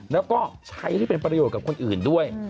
แล้วก็ใช้ที่เป็นประโยชน์กับคนอื่นด้วย